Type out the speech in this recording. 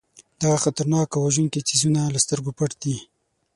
دغه خطرناک او وژونکي څیزونه له سترګو پټ دي.